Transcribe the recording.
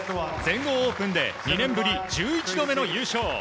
全豪オープンで２年ぶり１１度目の優勝。